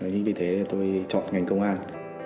nhưng vì thế tôi chọn ngành công an